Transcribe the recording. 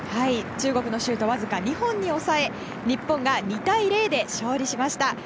中国のシュートをわずか２本に抑え日本が２対０で勝利しました。